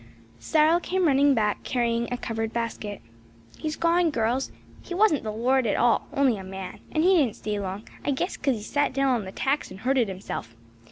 CYRIL came running back carrying a covered basket. "He's gone, girls. He wasn't the Lord at all; only a man; and he didn't stay long; I guess 'cause he sat down on the tacks and hurted himself.